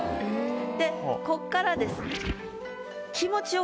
でこっからです。